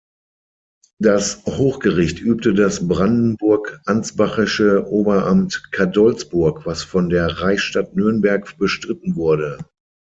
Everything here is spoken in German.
Das Hochgericht übte das brandenburg-ansbachische Oberamt Cadolzburg, was von der Reichsstadt Nürnberg bestritten wurde.